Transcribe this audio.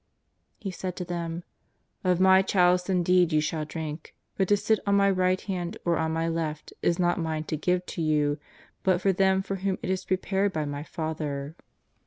He said to them :" Of My chalice indeed you shall drink, but to sit on My right hand or on My left is not Mine to give to you, but for them for whom it is prepared by My Father."